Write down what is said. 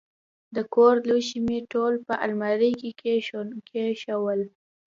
د کور لوښي مې ټول په المارۍ کې کښېنول.